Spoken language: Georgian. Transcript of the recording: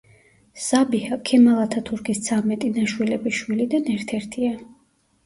საბიჰა ქემალ ათათურქის ცამეტი ნაშვილები შვილიდან ერთ-ერთია.